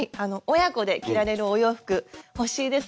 親子で着られるお洋服欲しいですね。